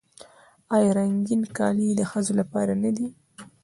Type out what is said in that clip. آیا رنګین کالي د ښځو لپاره نه دي؟